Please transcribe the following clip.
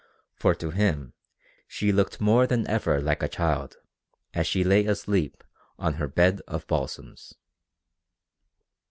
For to him she looked more than ever like a child as she lay asleep on her bed of balsams.